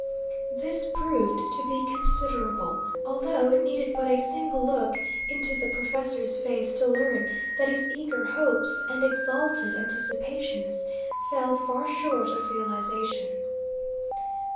This proved to be considerable, although it needed but a single look into the professor's face to learn that his eager hopes and exalted anticipations fell far short of realisation.